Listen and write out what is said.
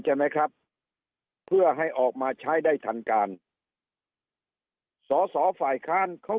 ใช่ไหมครับเพื่อให้ออกมาใช้ได้ทันการสอสอฝ่ายค้านเขา